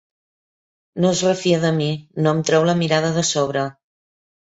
No es refia de mi: no em treu la mirada de sobre.